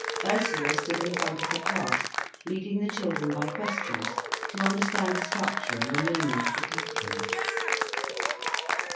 Ursula stood in front of the class, leading the children by questions to understand the structure and the meaning of the catkins.